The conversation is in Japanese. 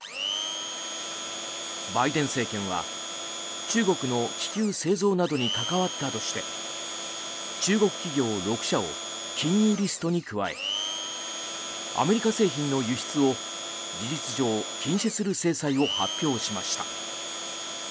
バイデン政権は中国の気球製造などに関わったとして中国企業６社を禁輸リストに加えアメリカ製品の輸出を事実上禁止する制裁を発表しました。